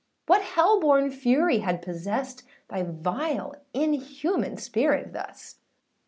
What hell born fury had possessed, Thy vile inhuman spirit thus?